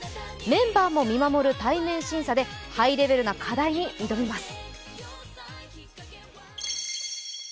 メンバーも見守る対面審査でハイレベルな課題に挑みます。